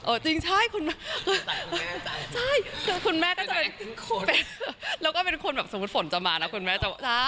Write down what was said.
จริงใช่คุณแม่ใช่คือคุณแม่ก็จะเป็นคนแล้วก็เป็นคนแบบสมมุติฝนจะมานะคุณแม่จะ